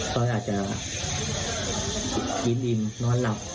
เขาอาจจะกินอิ่มนอนหลับ